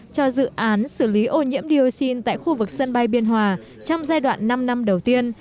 cho dự án xử lý ô nhiễm dioxin tại khu vực sân bay biên hòa trong giai đoạn năm năm đầu tiên